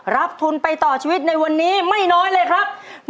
รับทุนไปต่อชีวิตในวันนี้ไม่น้อยเลยครับ